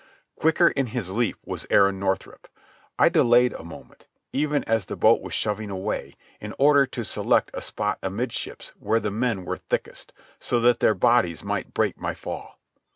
Quicker in his leap was Aaron Northrup. I delayed a moment, even as the boat was shoving away, in order to select a spot amidships where the men were thickest, so that their bodies might break my fall.